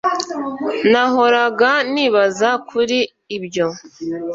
nahoraga nibaza kuri ibyo